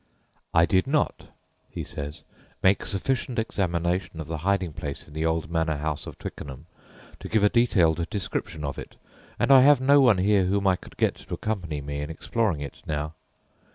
"I did not," he says, "make sufficient examination of the hiding place in the old manor house of Twickenham to give a detailed description of it, and I have no one here whom I could get to accompany me in exploring it now.